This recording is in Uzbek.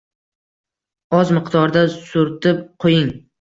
Oz miqdorda surtib qo’ying.